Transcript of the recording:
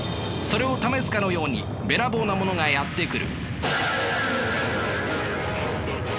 それを試すかのようにべらぼうなものがやって来る。